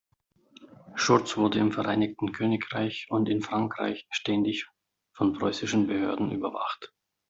Schurz wurde im Vereinigten Königreich und in Frankreich ständig von preußischen Behörden überwacht.